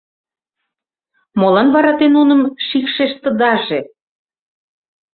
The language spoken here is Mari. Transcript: — Молан вара те нуным шикшештыдаже?